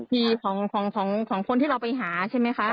ของคนที่เราไปหาใช่ไหมคะ